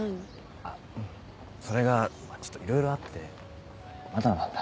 あっそれがまぁちょっといろいろあってまだなんだ。